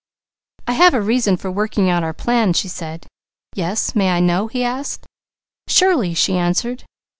"I have a reason for working out our plan," she said. "Yes? May I know?" he asked. "Surely!" she answered.